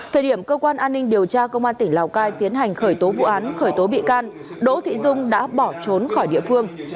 thời điểm cơ quan an ninh điều tra công an tỉnh lào cai tiến hành khởi tố vụ án khởi tố bị can đỗ thị dung đã bỏ trốn khỏi địa phương